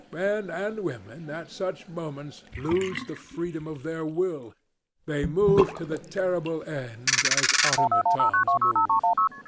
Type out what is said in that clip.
Men and women at such moments lose the freedom of their will. They move to their terrible end as automatons move.